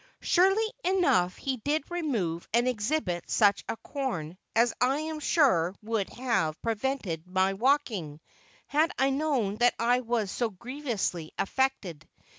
Surely enough he did remove and exhibit such a corn as I am sure would have prevented my walking, had I known that I was so grievously afflicted.